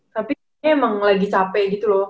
tapi kayaknya emang lagi capek gitu loh